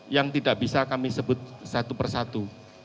yang tidak bisa kami sebut satu persatu